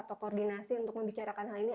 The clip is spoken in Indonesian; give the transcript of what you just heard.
atau koordinasi untuk membicarakan hal ini